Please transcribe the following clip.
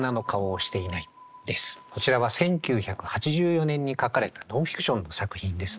こちらは１９８４年に書かれたノンフィクションの作品ですね。